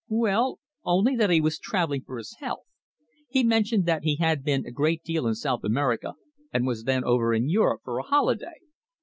"Well, only that he was travelling for his health. He mentioned that he had been a great deal in South America, and was then over in Europe for a holiday.